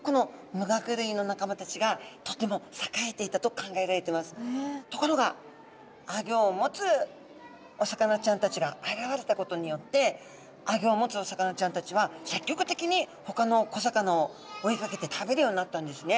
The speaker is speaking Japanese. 昔々のところがアギョを持つお魚ちゃんたちが現れたことによってアギョを持つお魚ちゃんたちは積極的にほかの小魚を追いかけて食べるようになったんですね。